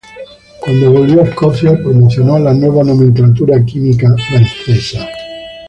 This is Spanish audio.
Cuando volvió a Escocia promocionó la nueva nomenclatura química francesa.